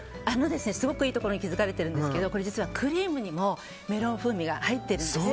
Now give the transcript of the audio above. すごくいいところに気づかれてるんですけどこれ実は、クリームにもメロン風味が入ってるんですよ。